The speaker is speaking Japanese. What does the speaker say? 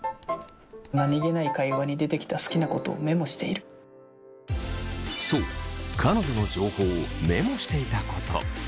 何気ない会話に出てきた好きなことをメモしているそう彼女の情報をメモしていたこと。